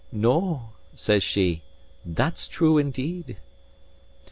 "No," says she, "that's true indeed."